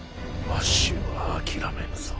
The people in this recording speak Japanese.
わしは諦めぬぞ。